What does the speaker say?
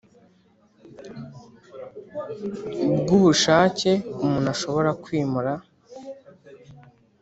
bw ubushake umuntu ashobora kwimura